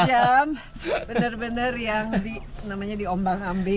satu jam bener bener yang diombang ambing